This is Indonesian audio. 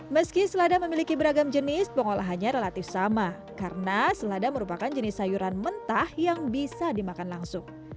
meski selada memiliki beragam jenis pengolahannya relatif sama karena selada merupakan jenis sayuran mentah yang bisa dimakan langsung